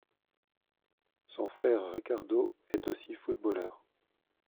Son frère Ricardo est aussi footballeur.